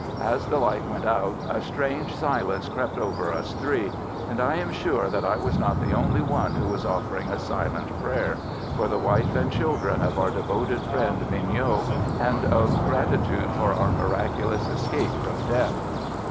As the light went out, a strange silence crept over us three, and I am sure that I was not the only one who was offering a silent prayer — for the wife and children of our devoted friend Mignot, and of grat itude for our miraculous escape from death.